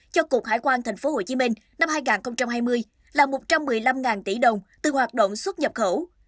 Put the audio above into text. cho cục hải quan tp hcm năm hai nghìn hai mươi là một trăm một mươi năm tỷ đồng từ hoạt động xuất nhập khẩu